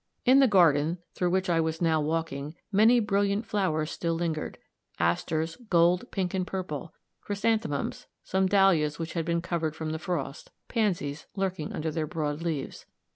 In the garden, through which I was now walking, many brilliant flowers still lingered: asters, gold, pink and purple; chrysanthemums; some dahlias which had been covered from the frost; pansies lurking under their broad leaves.